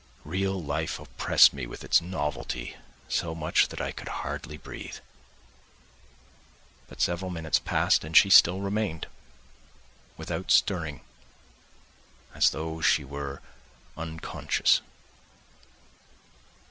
Real life oppressed me with its novelty so much that I could hardly breathe. But several minutes passed and she still remained, without stirring, as though she were unconscious.